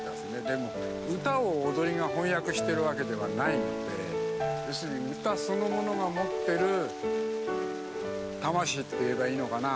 でも歌を踊りが翻訳してるわけではないので要するに歌そのものが持ってる魂って言えばいいのかな？